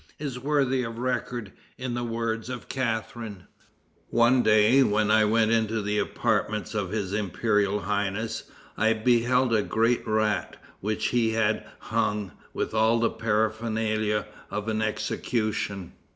is worthy of record in the words of Catharine: "One day, when I went into the apartments of his imperial highness, I beheld a great rat which he had hung, with all the paraphernalia of an execution.